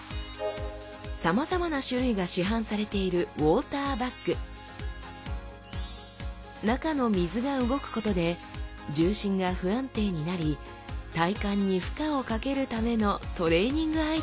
さまざまな種類が市販されているウォーターバッグ中の水が動くことで重心が不安定になり体幹に負荷をかけるためのトレーニングアイテムです。